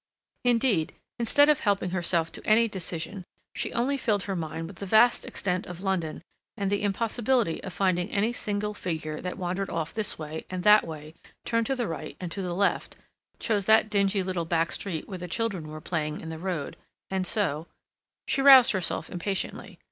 Indeed, instead of helping herself to any decision, she only filled her mind with the vast extent of London and the impossibility of finding any single figure that wandered off this way and that way, turned to the right and to the left, chose that dingy little back street where the children were playing in the road, and so—She roused herself impatiently.